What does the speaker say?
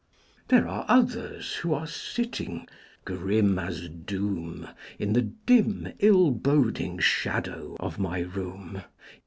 There are others who are sitting, Grim as doom, In the dim ill boding shadow Of my room.